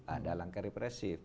ada langkah repressif